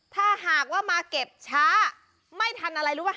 ถ้าหากว่ามาเก็บช้าไม่ทันอะไรรู้ป่